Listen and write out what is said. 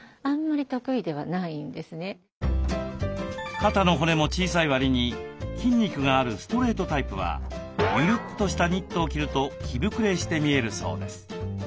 肩の骨も小さいわりに筋肉があるストレートタイプはゆるっとしたニットを着ると着ぶくれして見えるそうです。